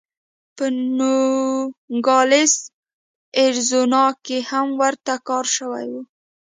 په نوګالس اریزونا کې هم ورته کار شوی و.